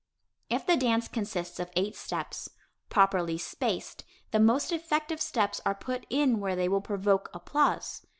If the dance consists of eight steps, properly spaced, the most effective steps are put in where they will provoke applause.